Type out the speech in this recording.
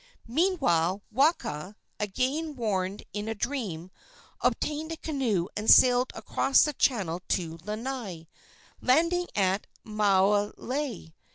Meanwhile Waka, again warned in a dream, obtained a canoe and sailed across the channel to Lanai, landing at Maunalei.